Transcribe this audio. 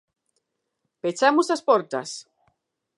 ¡Pechamos as portas!